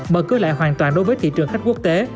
mở cửa lại hoàn toàn đối với thị trường khách quốc tế